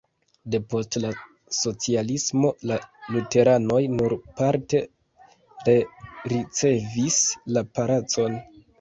Depost la socialismo la luteranoj nur parte rericevis la palacon.